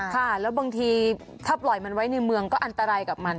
ค่ะแล้วบางทีถ้าปล่อยมันไว้ในเมืองก็อันตรายกับมัน